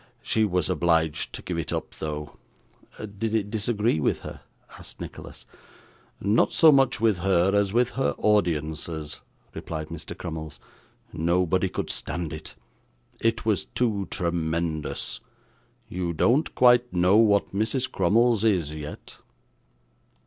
She was obliged to give it up though.' 'Did it disagree with her?' asked Nicholas. 'Not so much with her, as with her audiences,' replied Mr. Crummles. 'Nobody could stand it. It was too tremendous. You don't quite know what Mrs. Crummles is yet.